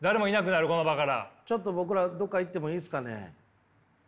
ちょっと僕らどこか行ってもいいですかね？